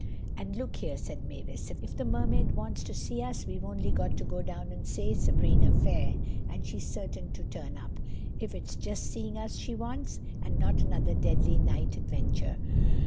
"And look here," said Mavis. "If the Mermaid wants to see us we've only got to go down and say 'Sabrina fair,' and she's certain to turn up. If it's just seeing us she wants, and not another deadly night adventure."